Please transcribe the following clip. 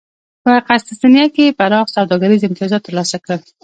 په قسطنطنیه کې یې پراخ سوداګریز امتیازات ترلاسه کړل